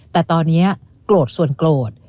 แต่ตอนนี้โกรธส่วนโกรธ